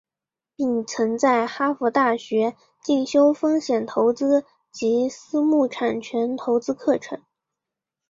并曾在哈佛大学进修风险投资及私募产权投资课程。